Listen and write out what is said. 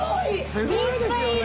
すごいですよね。